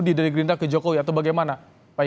dari gerindra ke jokowi atau bagaimana